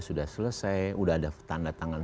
sudah selesai sudah ada tanda tangan